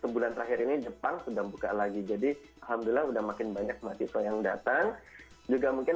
sebulan terakhir ini jepang sudah buka lagi jadi alhamdulillah udah makin banyak mahasiswa yang datang juga mungkin